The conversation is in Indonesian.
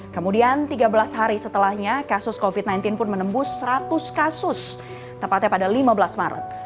kemudian tiga belas hari setelahnya kasus covid sembilan belas pun menembus seratus kasus tepatnya pada lima belas maret